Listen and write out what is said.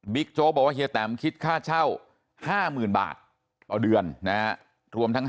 โจ๊กบอกว่าเฮียแตมคิดค่าเช่า๕๐๐๐บาทต่อเดือนนะฮะรวมทั้ง